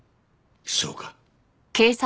そうか。